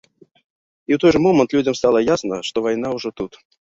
І ў той жа момант людзям стала ясна, што вайна ўжо тут.